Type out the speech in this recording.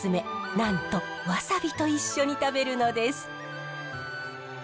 なんとワサビと一緒に食べるのです。